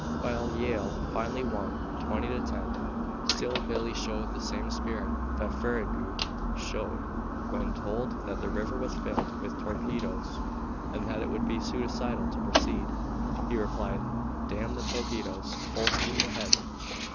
While Yale finally won 20 10 still Billy showed the same spirit that Farragut showed when told that the river was filled with torpedoes and that it would be suicidal to proceed. He replied, "Damn the torpedoes, full steam ahead!"